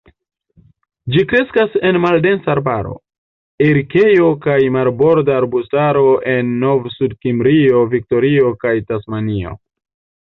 Ĝi kreskas en maldensa arbaro, erikejo kaj marborda arbustaro en Novsudkimrio, Viktorio, kaj Tasmanio.